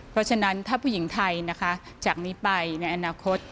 เพราะฉะนั้นถ้าผู้หญิงไทยนะคะจากนี้ไปในอนาคต